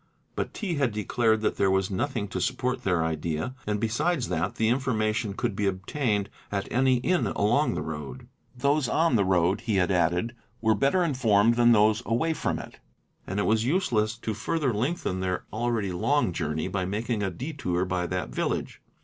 But T. had declared that there was nothing © to support their idea and besides that the information could be obtained at any inn along the road. Those on the road, he had added, were better informed than those away from it; and it was useless to further lengthen their already long journey by making a detour by that village.